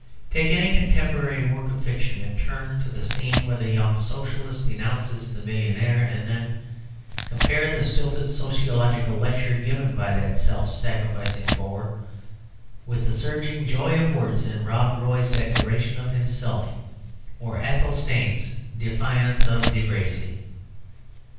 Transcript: Take any contemporary work of fiction and turn to the scene where the young Socialist denounces the millionaire, and then compare the stilted sociological lecture given by that self sacrificing bore with the surging joy of words in Rob Roy's declaration of himself, or Athelstane's defiance of De Bracy.